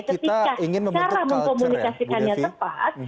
ketika cara mengkomunikasikannya tepat